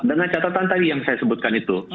dengan catatan tadi yang saya sebutkan itu